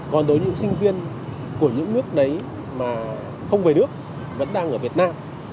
còn đối với những sinh viên của những nước đấy mà không về nước vẫn đang ở việt nam